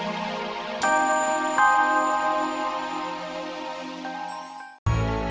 gigi gue ntar patah